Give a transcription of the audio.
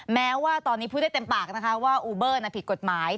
แม้ว่าตอนนี้พูดได้เต็มปากนะคะว่าอูเบอร์ผิดกฎหมาย